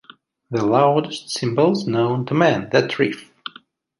The loudest cymbals known to man, that riff!